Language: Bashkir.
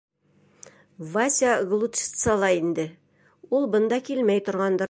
— Вася Глушицала инде, ул бында килмәй торғандыр.